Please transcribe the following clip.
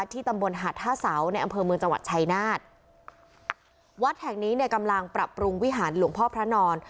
ที่ตำบลหาดท่าเสาในอำเภอเมืองจังหวัดชายนาฏวัดแห่งนี้เนี่ยกำลังปรับปรุงวิหารหลวงพ่อพระนอน